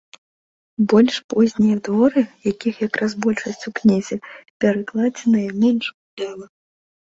Больш познія творы, якіх якраз большасць у кнізе, перакладзеныя менш удала.